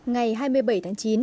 ngày hai mươi bảy tháng chín